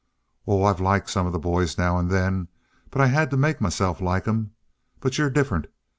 "Oh, I've liked some of the boys now and then; but I had to make myself like 'em. But you're different.